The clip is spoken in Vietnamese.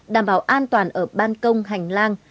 đảm bảo an toàn ở ban công hành lang